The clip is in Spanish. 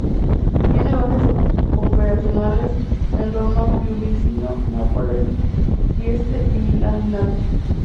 Tiene bases operacionales en Roma-Fiumicino, Nápoles, Trieste y Milán-Linate.